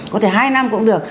có thể hai năm cũng được